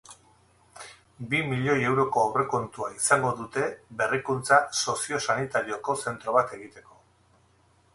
Bi milioi euroko aurrekontua izango dute berrikuntza soziosanitarioko zentro bat egiteko.